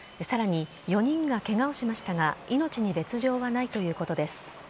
さらに、４人がけがをしましたが、命に別状はないということです。